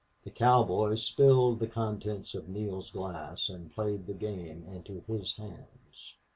The cowboy spilled the contents of Neale's glass and played the game into his hands.